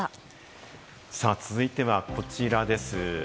続いてはこちらです。